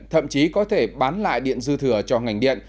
thậm chí có thể bán lại điện dư thừa cho ngành điện